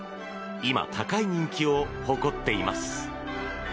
今、高い人気を誇っています。